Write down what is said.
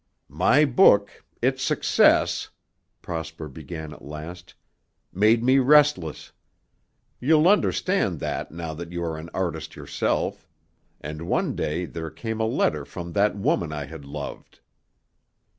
"My book its success," Prosper began at last, "made me restless. You'll understand that now that you are an artist yourself. And one day there came a letter from that woman I had loved."